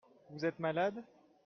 Vous êtes malade ?